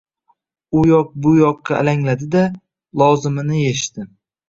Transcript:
U u yoq-bu yoqqa alangladi-da, lozimini yechdi.